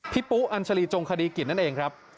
พี่ปุ๊ะอันชรีจงคดีกิจนั้นเองครับ